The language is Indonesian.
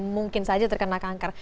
mungkin saja terkena kanker